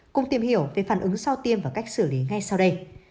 cùng tìm hiểu về phản ứng sau tiêm và cách xử lý ngay sau đây